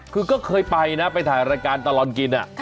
คือก็เคยไปนะไปถ่ายรายการตลอดกิน